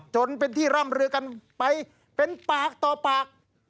จนเป็นที่ร่ำเรือกันไปเป็นปากต่อปาก